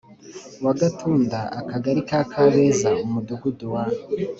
wa Gatunda Akagari ka Kabeza Umudugudu wa